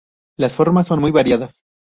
Las formas son muy variadas.